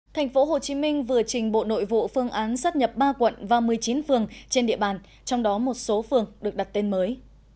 thành phố hồ chí minh vừa trình bộ nội vụ phương án sắp nhập ba quận và một mươi chín phường trên địa bàn trong đó một số phường được đặt tên mới